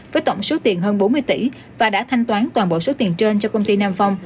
với tổng số tiền hơn bốn mươi tỷ và đã thanh toán toàn bộ số tiền trên cho công ty nam phong